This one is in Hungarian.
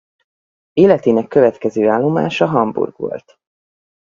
Életének következő állomása Hamburg volt.